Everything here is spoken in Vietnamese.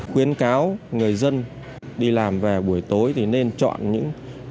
khuyến cáo người dân đi làm về buổi tối thì nên chọn những tài sản